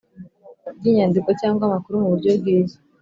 ry inyandiko cyangwa amakuru mu buryo bwiza